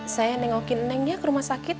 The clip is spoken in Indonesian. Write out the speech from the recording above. saya nengokin neng dia ke rumah sakit